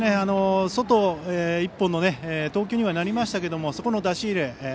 外一本の投球にはなりましたけれどもそこの出し入れ。